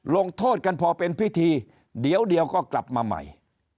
ลงโทษกันพอเป็นพิธีเดี๋ยวก็กลับมาใหม่